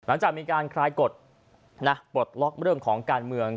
หลังจากมีการคลายกฎปลดล็อกเรื่องของการเมือง